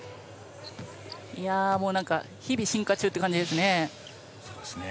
日々、進化中って感じですね。